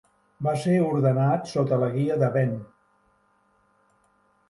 Va ser ordenat sota la guia de Ven.